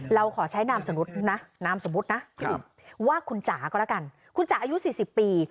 เราขอใช้นามสมุดนะนามสมุดนะว่าคุณจาก็แล้วกันคุณจาอายุสี่สิบปี